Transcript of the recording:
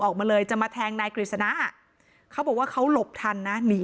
ออกมาเลยจะมาแทงนายกฤษณะเขาบอกว่าเขาหลบทันนะหนี